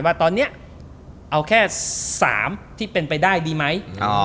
ว่าตอนนี้เอาแค่๓ที่เป็นไปได้ดีไหม